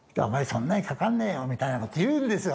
そんなにかかんねえよ」みたいなことを言うんですよ